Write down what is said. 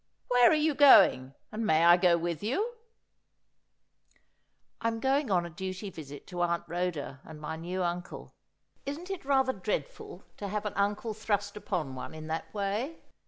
Where are you going, and may I go with you ?'' I am going on a duty visit to Aunt Rhoda and my new uncle. Isn't it rather dreadful to have an uncle thrust upon one in that way